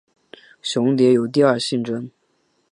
雄蝶有第二性征。